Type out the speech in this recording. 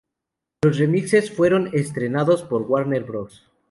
Los remixes fueron estrenados por Warner Bros.